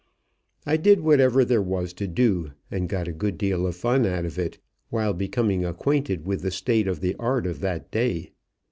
I did whatever there was to do and got a good deal of fun out of it, while becoming acquainted with the state of the art of that day.